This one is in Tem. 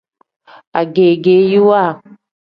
Agegeyiwa.